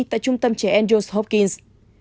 tại trung tâm trẻ andrews hopkins